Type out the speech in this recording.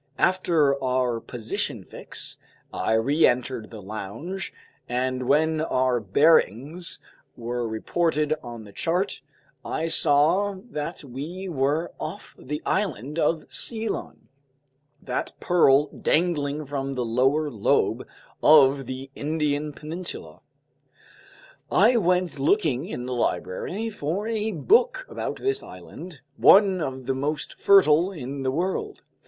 After our position fix, I reentered the lounge, and when our bearings were reported on the chart, I saw that we were off the island of Ceylon, that pearl dangling from the lower lobe of the Indian peninsula. I went looking in the library for a book about this island, one of the most fertile in the world.